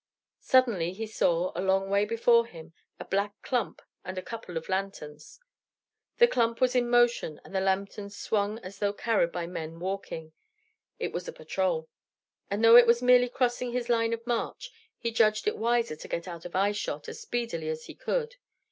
Suddenly he saw, a long way before him, a black clump and a couple of lanterns. The clump was in motion, and the lanterns swung as though carried by men walking. It was a patrol. And though it was merely crossing his line of march, he judged it wiser to get out of eyeshot as speedily as he could.